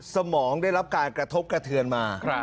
สมองได้รับการกระทบกระเทือนมา